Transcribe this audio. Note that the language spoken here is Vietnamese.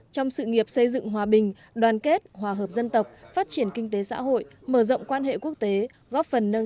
trong sự nghiệp xây dựng hòa bình đoàn kết hòa hợp dân tộc phát triển kinh tế xã hội